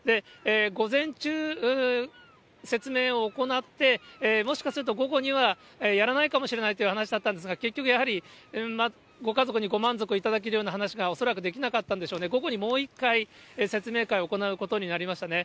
午前中、説明を行って、もしかすると午後にはやらないかもしれないという話だったんですが、結局やはり、ご家族にご満足いただけるような話が、恐らくできなかったんでしょうね、午後にもう一回、説明会を行うことになりましたね。